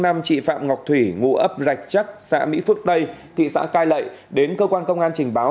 ngọc thủy ngụ ấp rạch chắc xã mỹ phước tây thị xã cai lệ đến cơ quan công an trình báo